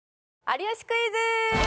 『有吉クイズ』！